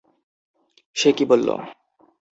সে কী বললো?